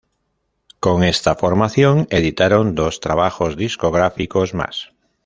Con esta formación, editaron dos trabajos discográficos más.